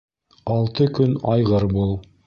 Алты көн айғыр бул.